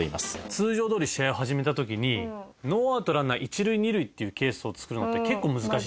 通常どおり試合を始めた時にノーアウトランナー一塁二塁っていうケースを作るのって結構難しい。